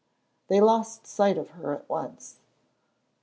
They lost sight of her at once.